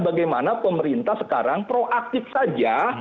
bagaimana pemerintah sekarang proaktif saja